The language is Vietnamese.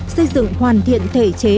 xây dựng hoàn thiện thể chế